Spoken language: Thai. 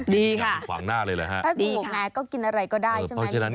ดีค่ะดีค่ะถ้าถูกบอกงานก็กินอะไรก็ได้ใช่ไหมมีเงิน